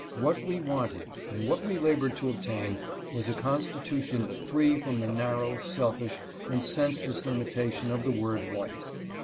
What we wanted, and what we labored to obtain, was a constitution free from the narrow, selfish, and senseless limitation of the word white.